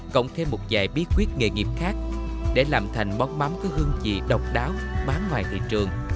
cộng thêm một giải bí quyết nghề nghiệp khác để làm thành món mắm có hương vị độc đáo bán ngoài thị trường